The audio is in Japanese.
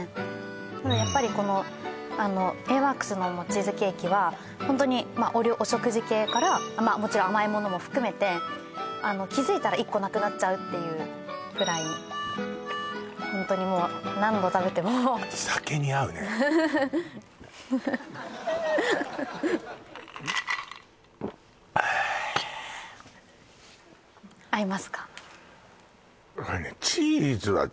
ただやっぱりこのあのＡＷＯＲＫＳのチーズケーキはホントにお食事系からまあもちろん甘いものも含めて気づいたら１個なくなっちゃうっていうくらいホントにもう何度食べても合いますか？